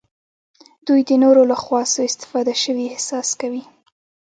دوی د نورو لخوا سوء استفاده شوي احساس کوي.